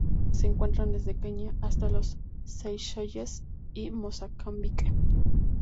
Se encuentra desde Kenia hasta las Seychelles y Mozambique.